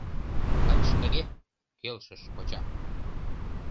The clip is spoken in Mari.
— Лач тыге!.. — келшыш коча.